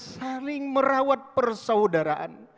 saling merawat persaudaraan